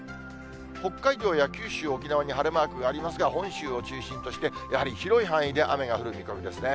北海道や九州、沖縄に晴れマークがありますが、本州を中心として、やはり広い範囲で雨が降る見込みですね。